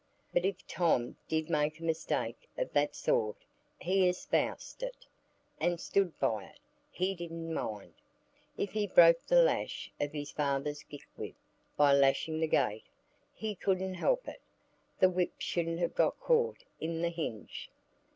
But if Tom did make a mistake of that sort, he espoused it, and stood by it: he "didn't mind." If he broke the lash of his father's gigwhip by lashing the gate, he couldn't help it,—the whip shouldn't have got caught in the hinge.